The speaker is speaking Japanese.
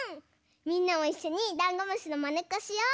みんなもいっしょにダンゴムシのまねっこしよう！